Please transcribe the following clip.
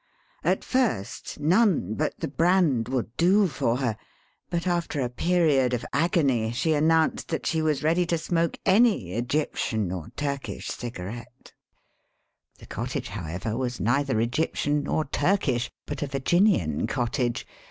At first none but the brand would do for her, but after a period of agony she announced that she was ready to smoke any Egyptian or ^ THE COMPLETE FUSSER 71 Turkish cigarette. The cottage, however, was neither Egyptian nor Turkish, but a Virginian cottage.